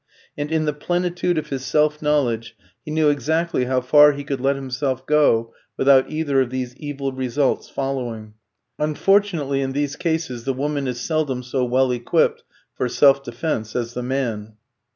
And in the plenitude of his self knowledge he knew exactly how far he could let himself go without either of these evil results following. Unfortunately, in these cases the woman is seldom so well equipped for self defence as the man.